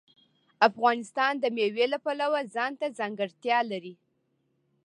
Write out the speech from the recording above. افغانستان د مېوې د پلوه ځانته ځانګړتیا لري.